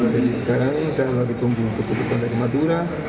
jadi sekarang ini saya lagi tunggu keputusan dari madura